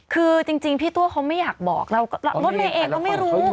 คือจริงพี่ตัวเขาไม่อยากบอกรถเมย์เองก็ไม่รู้